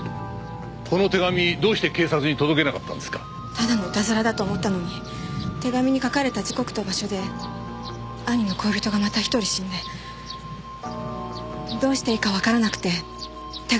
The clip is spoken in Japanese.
ただのイタズラだと思ったのに手紙に書かれた時刻と場所で兄の恋人がまた１人死んでどうしていいかわからなくて手紙の事は隠してたんです。